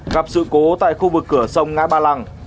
gặp sự cố tại khu vực cửa sông ngã ba lăng